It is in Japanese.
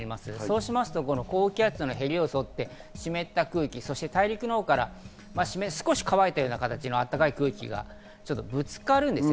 そうしますと高気圧のへりを沿って湿った空気、そして大陸のほうから少し乾いたような形の暖かい空気がちょうどぶつかるんですね。